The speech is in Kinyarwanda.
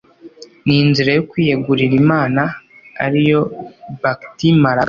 ni inzira yo kwiyegurira imana, ari yo bhakti marga